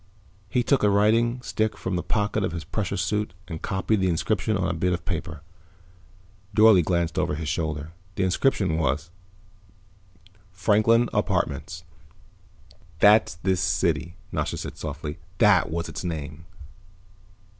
He took a writing stick from the pocket of his pressure suit and copied the inscription on a bit of paper. Dorle glanced over his shoulder. The inscription was: FRANKLIN APARTMENTS "That's this city," Nasha said softly. "That was its name."